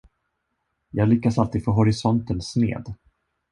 Jag lyckas alltid få horisonten sned.